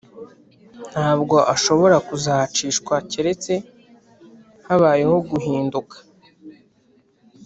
Ntabwo ashobora kuzacishwa keretse habayeho guhinduka